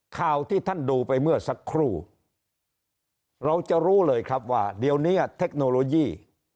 ข่าวที่ท่านดูไปเมื่อสักครู่เราจะรู้เลยครับว่าเดี๋ยวนี้เทคโนโลยี